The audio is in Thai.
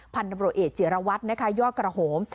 พันธุ์บริเวศจิรวรรดิยกระโหม